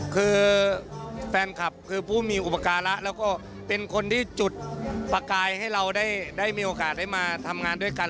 คือแฟนคลับคือผู้มีอุปการะแล้วก็เป็นคนที่จุดประกายให้เราได้มีโอกาสได้มาทำงานด้วยกัน